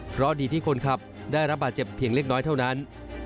เพราะดีที่คนขับได้รับบาดเจ็บเพียงเล็กน้อยเท่านั้น